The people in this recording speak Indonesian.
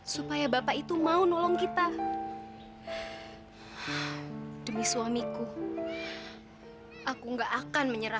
sampai jumpa di video selanjutnya